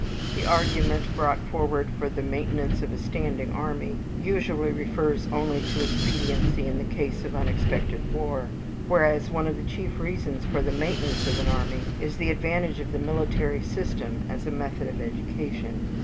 The argument brought forward for the maintenance of a standing army usually refers only to expediency in the case of unexpected war, whereas, one of the chief reasons for the maintenance of an army is the advantage of the military system as a method of education.